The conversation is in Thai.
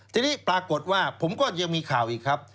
ทีนี้ปรากฏว่าผมก็ยังมีข่าวอีกครับ